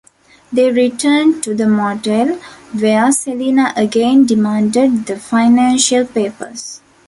They returned to the motel, where Selena again demanded the financial papers.